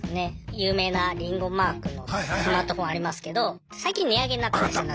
有名なリンゴマークのスマートフォンありますけど最近値上げになったんですよ夏前。